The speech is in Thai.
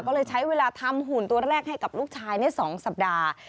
ก็เลยใช้เวลาทำหุ่นตัวแรกให้กับลูกชาย๒สัปดาห์